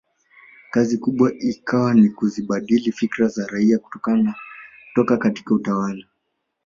Kazi kubwa ikawa ni kuzibadili fikra za raia kutoka katika utawala